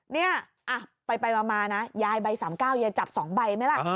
เนี่ยไปมานะยายใบ๓๙ยายจับ๒ใบไหมล่ะ